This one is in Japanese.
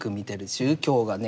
宗教がね